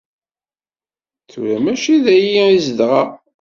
Tura mačči dayi i zedɣeɣ.